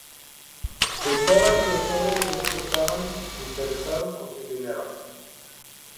Pensaba que todos estaban interesados en su dinero.